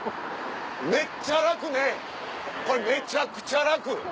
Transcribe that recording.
めっちゃ楽ねこれめちゃくちゃ楽！